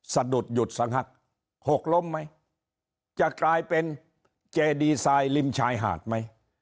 สะดุดหยุดสักพักหกล้มไหมจะกลายเป็นเจดีไซน์ริมชายหาดไหม